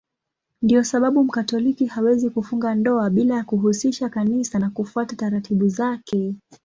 Ndiyo sababu Mkatoliki hawezi kufunga ndoa bila ya kuhusisha Kanisa na kufuata taratibu zake.